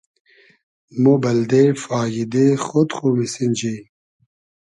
مۉ بئلدې فاییدې خۉد خو میسینجی